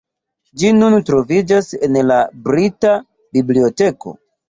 Ĝi nun troviĝas en la Brita Biblioteko.